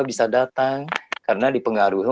bisa datang karena dipengaruhi